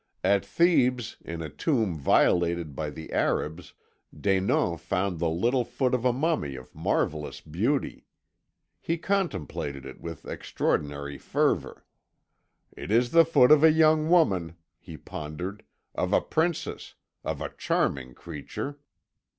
"At Thebes, in a tomb violated by the Arabs, Denon found the little foot of a mummy of marvellous beauty. He contemplated it with extraordinary fervour, 'It is the foot of a young woman,' he pondered, 'of a princess of a charming creature.